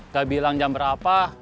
gak bilang jam berapa